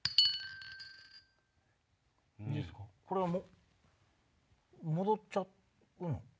これは戻っちゃうの？